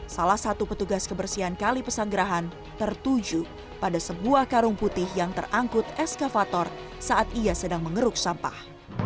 salah satu petugas kebersihan kali pesanggerahan tertuju pada sebuah karung putih yang terangkut eskavator saat ia sedang mengeruk sampah